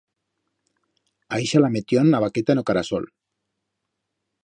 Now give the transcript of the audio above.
A ixa la metión a baqueta en o carasol.